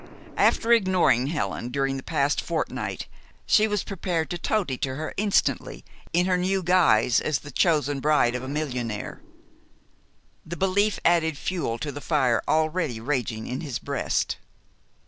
After ignoring Helen during the past fortnight, she was prepared to toady to her instantly in her new guise as the chosen bride of a millionaire. The belief added fuel to the fire already raging in his breast.